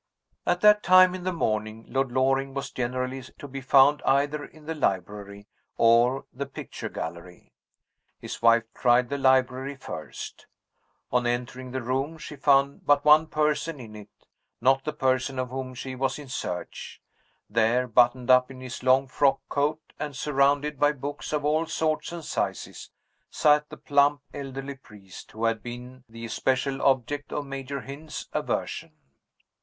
At that time in the morning, Lord Loring was generally to be found either in the library or the picture gallery. His wife tried the library first. On entering the room, she found but one person in it not the person of whom she was in search. There, buttoned up in his long frock coat, and surrounded by books of all sorts and sizes, sat the plump elderly priest who had been the especial object of Major Hynd's aversion.